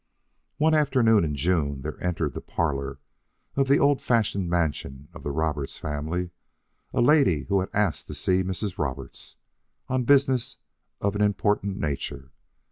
One afternoon in June, there entered the parlor of the old fashioned mansion of the Roberts family a lady who had asked to see Mrs. Roberts on business of an important nature.